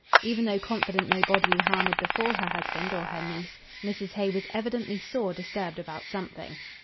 Even though confident no bodily harm would befall her husband or her niece, Mrs. Hay was evidently sore disturbed about something.